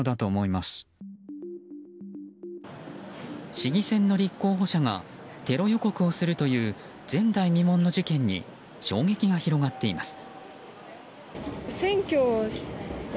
市議選の立候補者がテロ予告をするという前代未聞の事件に衝撃が広がっています。